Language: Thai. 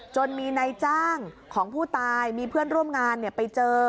จนมีนายจ้างของผู้ตายมีเพื่อนร่วมงานไปเจอ